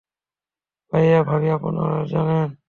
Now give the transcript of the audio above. ভাইয়া ভাবি আপনারা জানেন?